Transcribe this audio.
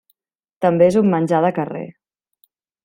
També és un menjar de carrer.